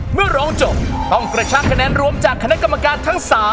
เมื่อร้องจบต้องกระชักคะแนนรวมจากคณะกรรมการทั้ง๓